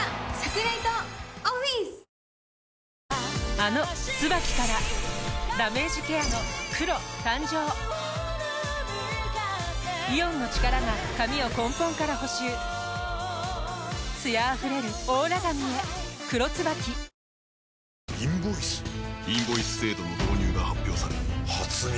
あの「ＴＳＵＢＡＫＩ」からダメージケアの黒誕生イオンの力が髪を根本から補修艶あふれるオーラ髪へ「黒ＴＳＵＢＡＫＩ」大きくなったチャーシューの麺屋こころ